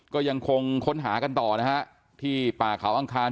ก็ยังคงค้นหากันต่อนะฮะที่ป่าเขาอังคาร